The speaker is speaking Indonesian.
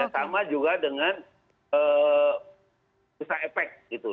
sama juga dengan usaha efek gitu